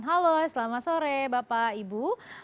halo selamat sore bapak ibu